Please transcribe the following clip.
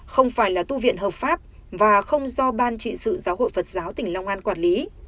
không phải là tu viện hợp pháp và không do ban trị sự giáo hội phật giáo tỉnh long an quản lý